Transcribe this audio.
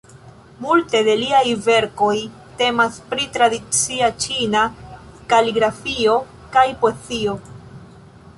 Multe de liaj verkoj temas pri tradicia ĉina kaligrafio kaj poezio.